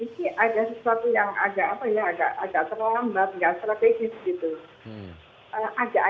mungkin memberikan saran saja kepada kapita